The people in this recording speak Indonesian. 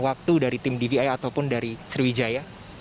waktu dari tim dvi ataupun dari sriwijaya